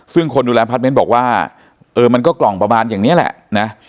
ซึ่งคนดูแลพาร์ทเมนต์บอกว่าเออมันก็กล่องประมาณอย่างนี้แหละนะ